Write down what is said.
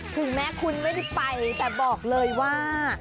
ถึงแม้คุณไม่ได้ไปแต่บอกเลยว่า